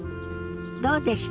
どうでした？